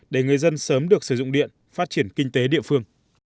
để người dân sớm được sử dụng điện phát triển kinh tế địa phương